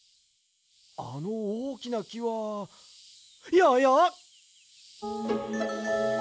あのおおきなきはややっ！